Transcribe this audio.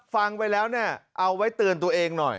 ฟังไปแล้วเนี่ยเอาไว้เตือนตัวเองหน่อย